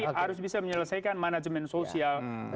yang harus bisa menyelesaikan manajemen sosial